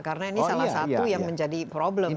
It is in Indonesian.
karena ini salah satu yang menjadi problem